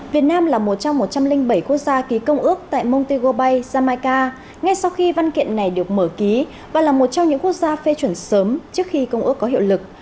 việt nam là một trong một trăm linh bảy quốc gia ký công ước tại montegobay zamaica ngay sau khi văn kiện này được mở ký và là một trong những quốc gia phê chuẩn sớm trước khi công ước có hiệu lực